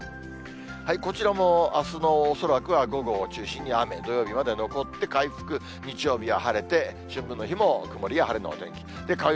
こちらもあすの恐らくは午後を中心に雨、土曜日まで残って回復、日曜日は晴れて、春分の日も曇りや晴れのお天気です。